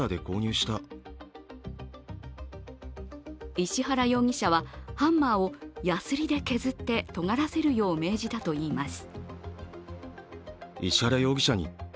石原容疑者は、ハンマーをヤスリで削ってとがらせるよう命じたといいます。